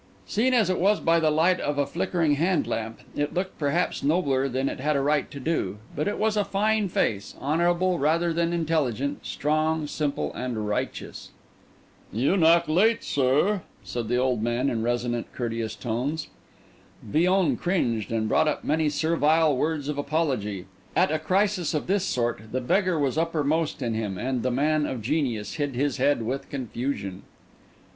Seen as it was by the light of a flickering hand lamp, it looked perhaps nobler than it had a right to do; but it was a fine face, honourable rather than intelligent, strong, simple, and righteous. "You knock late, sir," said the old man in resonant, courteous tones. Villon cringed, and brought up many servile words of apology; at a crisis of this sort, the beggar was uppermost in him, and the man of genius hid his head with confusion.